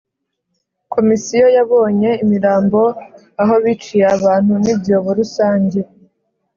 Komisiyo yabonye imirambo aho biciye abantu n ibyobo rusange